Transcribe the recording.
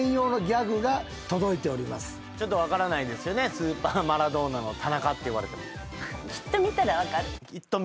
スーパーマラドーナの田中って言われても。